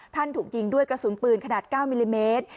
ถูกยิงด้วยกระสุนปืนขนาด๙มิลลิเมตร